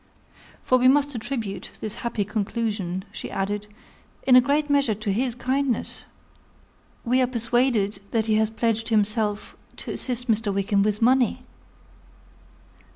"For we must attribute this happy conclusion," she added, "in a great measure to his kindness. We are persuaded that he has pledged himself to assist Mr. Wickham with money."